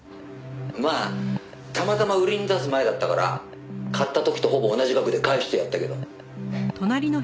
「まあたまたま売りに出す前だったから買った時とほぼ同じ額で返してやったけど」